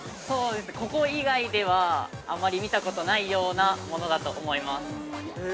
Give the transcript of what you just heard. ◆ここ以外ではあまり見たことないようなものだと思います。